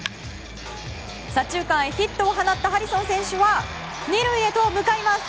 左中間へヒットを放ったハリソン選手は２塁へと向かいます。